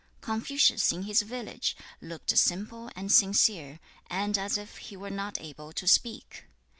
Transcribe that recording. Confucius, in his village, looked simple and sincere, and as if he were not able to speak.